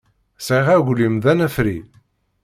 Sɛiɣ aglim d anafri.